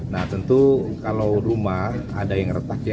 nah tentu kalau rumah ada yang retak ya